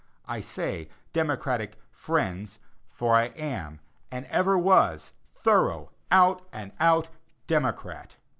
I say Democratic "friends," for I am and ever was a thorough, out and out Democrat.